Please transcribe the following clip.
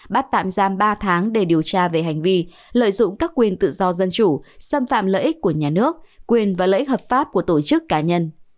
bắt tạm giam ba tháng để điều tra về hành vi lợi dụng các quyền tự do dân chủ xâm phạm lợi ích của nhà nước quyền và lợi ích hợp pháp của tổ chức cá nhân